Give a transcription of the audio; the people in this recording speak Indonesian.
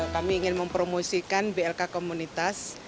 kami ingin mempromosikan blk komunitas